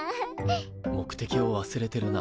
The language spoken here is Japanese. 目的を忘れてるな。